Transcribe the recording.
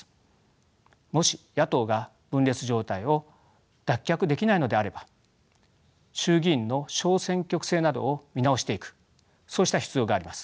もし野党が分裂状態を脱却できないのであれば衆議院の小選挙区制などを見直していくそうした必要があります。